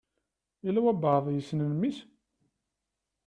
Yella walebɛaḍ i yessnen mmi-s?